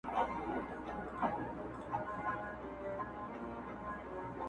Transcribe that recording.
اسلامي نظام عملي کېږي